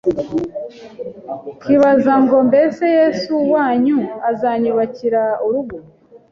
kibaza ngo mbese Yesu wanyu azanyubakira urugo